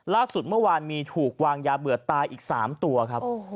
ล่าสุดเมื่อวานมีถูกวางยาเบื่อตายอีก๓ตัวครับ